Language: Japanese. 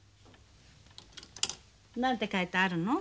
何て書いてあるの？